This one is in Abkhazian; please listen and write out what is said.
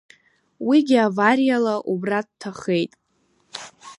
Уигьы авариала убра дҭахеит.